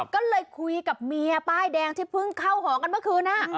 ก็เลยคุยกับเมียป้ายแดงที่เพิ่งเข้าหอกันเมื่อคืน